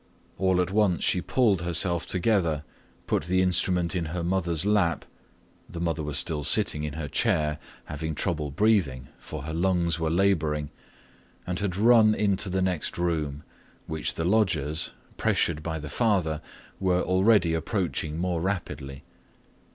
All at once she pulled herself together, placed the instrument in her mother's lap—the mother was still sitting in her chair having trouble breathing for her lungs were labouring—and had run into the next room, which the lodgers, pressured by the father, were already approaching more rapidly.